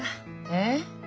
えっ？